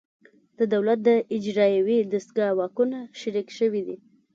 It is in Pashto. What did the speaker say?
د دولت د اجرایوي دستگاه واکونه شریک شوي دي